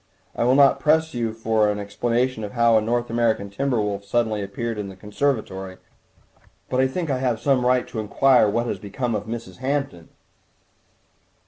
I will not press you for an explanation of how a North American timber wolf suddenly appeared in the conservatory, but I think I have some right to inquire what has become of Mrs. Hampton."